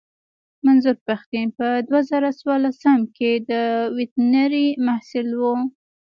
منظور پښتين په دوه زره څوارلسم کې د ويترنرۍ محصل و.